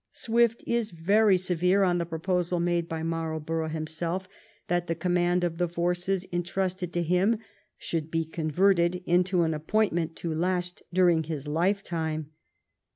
Swift is very severe on the proposal made by Marl borough himself that the command of the forces in trusted to him should be converted into an appointment to last during his lifetime.